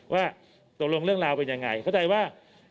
ว่าตกลงเรื่องราวเป็นยังไงเข้าใจว่า